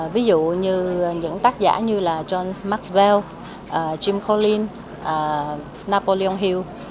ví dụ như những tác giả như là john maxwell jim collins napoleon hill